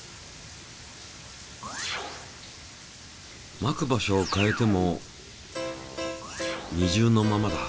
まく場所を変えても二重のままだ。